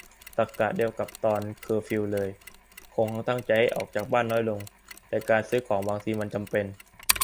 ตรรกะเดียวกับตอนเคอร์ฟิวเลย คงตั้งให้ออกจากบ้านน้อยลง แต่การซื้อของบางทีมันจำเป็น